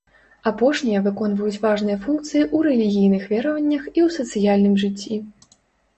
Апошнія выконваюць важныя функцыі ў рэлігійных вераваннях і ў сацыяльным жыцці.